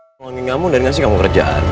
tolongin kamu dari ngasih kamu kerjaan